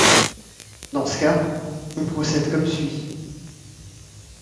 Dans ce cas, on procède comme suit.